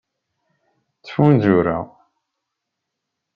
Ttfunzureɣ.